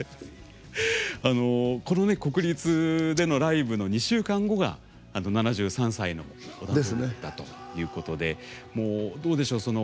国立でのライブの２週間後が７３歳のお誕生日だったということでどうでしょう